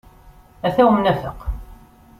Ata umnafeq!